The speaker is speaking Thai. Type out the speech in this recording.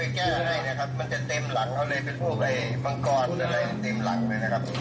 มันจะเต็มหลังเขาเลยเป็นพวกอะไรมังกรอะไรเต็มหลังเลยนะครับ